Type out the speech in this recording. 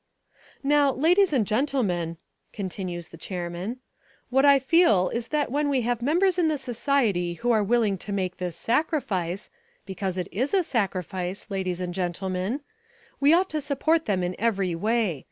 "Now, ladies and gentlemen," continues the chairman, "what I feel is that when we have members in the society who are willing to make this sacrifice, because it is a sacrifice, ladies and gentlemen, we ought to support them in every way.